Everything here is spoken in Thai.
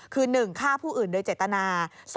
คือ๑ฆ่าผู้อื่นโดยเจตนา